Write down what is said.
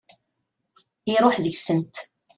Iruḥ deg-sent.